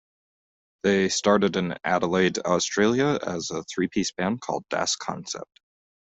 They started in Adelaide, Australia as a three-piece band called "Das Concept".